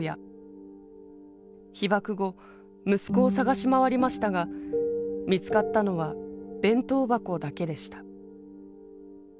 被爆後息子を捜し回りましたが見つかったのは弁当箱だけでした。